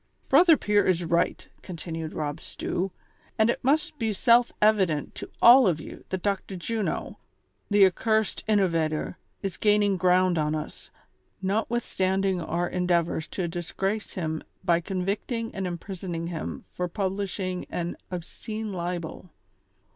"Brother Pier is right," continued Rob Stew, "and it must be self evident to all of you that Dr. Juno, the ac cursed innovator, is gaining ground on us, notwithstand ing our endeavors to disgrace him by convicting and imprisoning him for publishing an ' Obscene Libel.''